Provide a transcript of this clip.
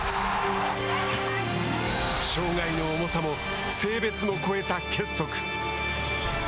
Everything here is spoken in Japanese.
障害の重さも、性別も超えた結束。